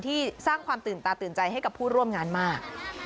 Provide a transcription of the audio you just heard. สร้างความตื่นตาตื่นใจให้กับผู้ร่วมงานมาก